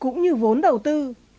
cũng như vốn đầu tư